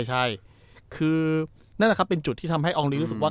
นั่นแหละครับเป็นจุดที่ทำให้อองรีย์รู้สึกว่า